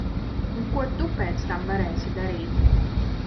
Un ko tu pēc tam varēsi darīt?